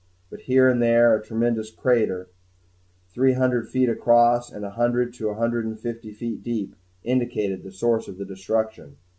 But here and there a tremendous crater, three hundred feet across and a hundred to a hundred and fifty feet deep, indicated the source of the destruction.